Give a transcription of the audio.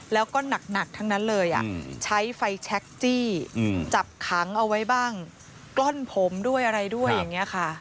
แล้วก็หนักทั้งนั้นเลยใช้ไฟแชคจี้จับขังเอาไว้บ้างกล้อนผมด้วยอะไรด้วยอย่างนี้ค่ะ